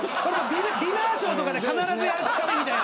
ディナーショーとかで必ずやる掴みみたいな。